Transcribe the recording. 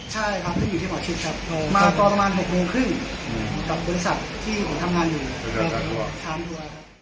มาต่อกระมาณ๖โมงครึ่งกับบริษัทที่ผมทำงานอยู่